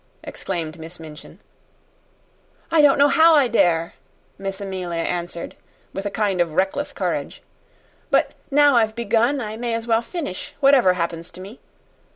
exclaimed Miss Minchin. "I don't know how I dare," Miss Amelia answered, with a kind of reckless courage; "but now I've begun I may as well finish, whatever happens to me.